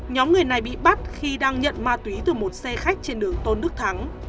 nhóm người này bị bắt khi đang nhận ma túy từ một xe khách trên đường tôn đức thắng